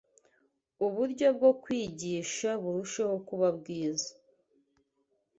uburyo bwo kwigisha burushijeho kuba bwiza